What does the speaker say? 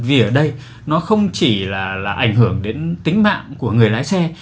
vì ở đây nó không chỉ là ảnh hưởng đến tính mạng của người lái xe